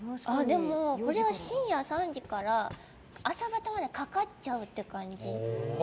これは深夜３時から朝方までかかっちゃうって感じ。